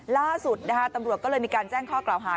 ล่าสุดตำรวจก็เลยมีการแจ้งข้อกล่าวหา